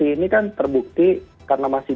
ini kan terbukti karena masih